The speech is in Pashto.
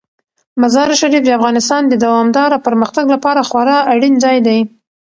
مزارشریف د افغانستان د دوامداره پرمختګ لپاره خورا اړین ځای دی.